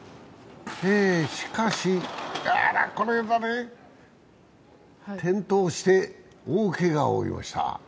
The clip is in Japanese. しかし、あらこれはね転倒して大けがを負いました。